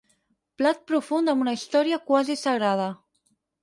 Plat profund amb una història quasi sagrada.